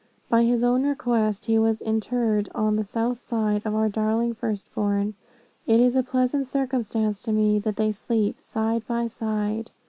By his own request, he was interred on the south side of our darling first born. It is a pleasant circumstance to me, that they sleep side by side.